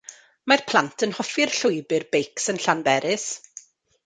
Mae'r plant yn hoffi'r llwybr beics yn Llanberis.